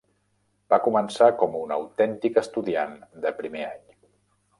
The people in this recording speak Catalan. Va començar com un autèntic estudiant de primer any.